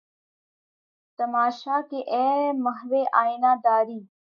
تماشا کہ اے محوِ آئینہ داری!